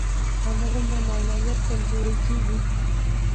هماغومره معنویت کمزوری کېږي.